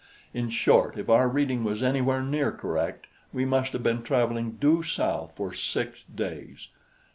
In short, if our reading was anywhere near correct, we must have been traveling due south for six days.